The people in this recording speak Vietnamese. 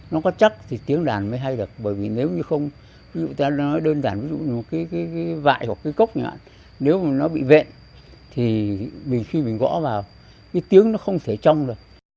nó có chắc thì tiếng đàn mới hay được bởi vì nếu như không ví dụ ta nói đơn giản ví dụ như cái vại hoặc cái cốc nhựa nếu mà nó bị vẹn thì khi mình gõ vào cái tiếng nó không thể trong được